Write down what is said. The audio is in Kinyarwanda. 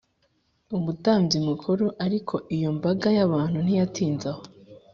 umutambyi mukuru Ariko iyo mbaga y abantu ntiyatinze aho